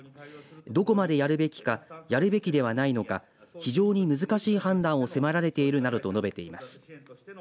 どこまでやるべきかやるべきではないのか非常に難しい判断を迫られているなどと述べています。